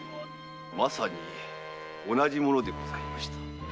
まさに同じものでございました。